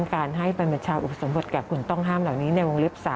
การให้ปราบัญชาอุปสรรพจน์หวัดแก่ขุนต้องห้ามเหล่านี้ในวงเล็บ๓